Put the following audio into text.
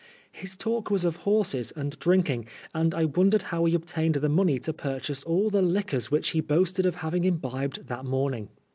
His talk was of horses and drinking, and I wondered how he obtained the money to purchase all the liquors which he boasted of having imbibed that morning.